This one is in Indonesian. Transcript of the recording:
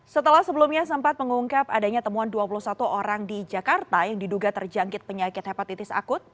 setelah sebelumnya sempat mengungkap adanya temuan dua puluh satu orang di jakarta yang diduga terjangkit penyakit hepatitis akut